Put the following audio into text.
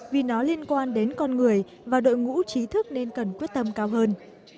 vì nó liên quan đến con người và đội ngũ trí thức nên cần quyết tâm cao hơn